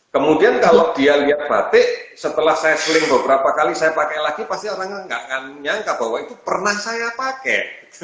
kemudian kalau dia lihat batik setelah saya seling beberapa kali saya pakai lagi pasti orang nggak akan nyangka bahwa itu pernah saya pakai